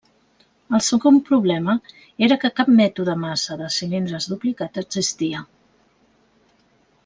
El segon problema era que cap mètode massa de cilindres duplicat existia.